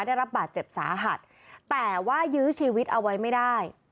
ได้รับบาดเจ็บสาหัสแต่ว่ายื้อชีวิตเอาไว้ไม่ได้